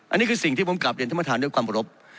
อันนี้คือสิ่งที่ผมกลับเรียนที่มาถามด้วยความรบ